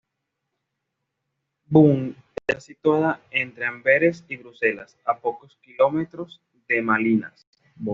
Boom está situada entre Amberes y Bruselas, a pocos kilómetros de Malinas.